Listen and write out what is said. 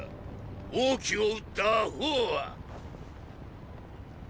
王騎を討った阿呆は。